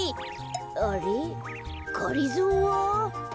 あれっがりぞーは？